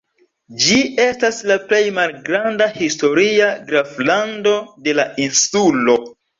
Ĝi estas la plej malgranda historia graflando de la insulo.